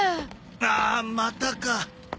あまたか！